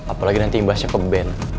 apalagi nanti imbasnya ke band